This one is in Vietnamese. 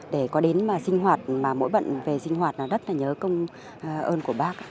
để có đến mà sinh hoạt mà mỗi bận về sinh hoạt là rất là nhớ công ơn của bác